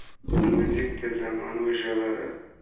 موزیک د زمانو ژبه ده.